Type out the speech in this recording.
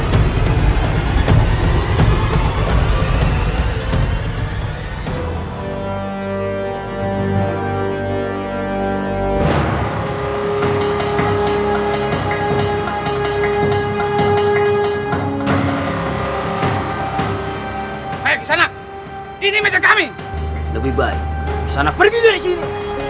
hai saya sangat ini meja kami lebih baik sana pergi dari sini